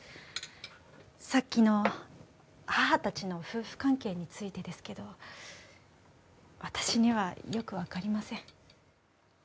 さっきの母たちの夫婦関係についてですけど私にはよくわかりません。